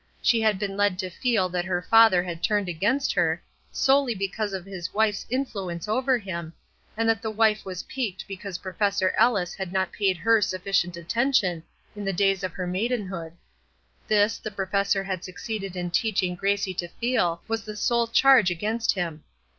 She had been led to feel that her father had turned against her, solely because of his wife's influence over him, and that the wife was piqued because Professor Ellis had not paid her sufficient attention in the days of her maidenhood. This, the professor had succeeded in teaching Gracie to feel, was the sole charge against him.